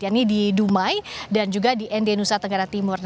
ini di dumai dan juga di nd nusa tenggara timur